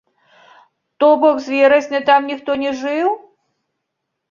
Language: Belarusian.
То бок з верасня там ніхто не жыў?